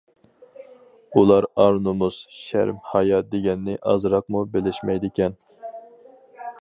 ئۇلار ئار-نومۇس، شەرم-ھايا دېگەننى ئازراقمۇ بىلىشمەيدىكەن.